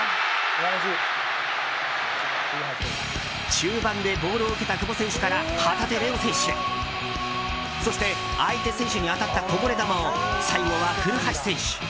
中盤でボールを受けた久保選手から旗手怜央選手そして相手選手に当たったこぼれ球を、最後は古橋選手。